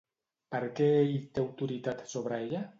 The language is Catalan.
Per què ell té autoritat sobre ella?